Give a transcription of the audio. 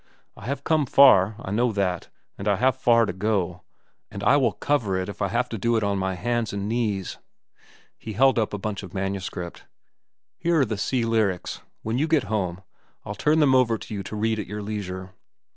I have come far, I know that; and I have far to go, and I will cover it if I have to do it on my hands and knees." He held up a bunch of manuscript. "Here are the 'Sea Lyrics.' When you get home, I'll turn them over to you to read at your leisure.